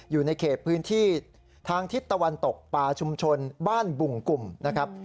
อยู่ในเขตพื้นที่ทางทิศตะวันตกป่าชุมชนบ้านบุงกลุ่มนะครับ